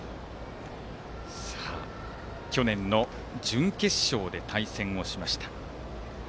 去年の準決勝で対戦をしました。